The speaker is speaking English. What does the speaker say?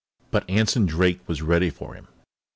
But Anson Drake was ready for him.